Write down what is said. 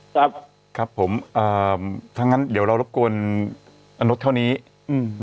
ครับครับผมเอ่อถ้างั้นเดี๋ยวเรารบกวนอนุษย์เท่านี้อืม